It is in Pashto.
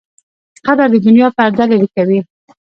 قبر د دنیا پرده لرې کوي.